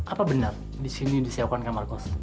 apa benar di sini disiapkan kamar kos